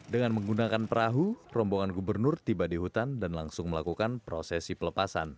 dengan menggunakan perahu rombongan gubernur tiba di hutan dan langsung melakukan prosesi pelepasan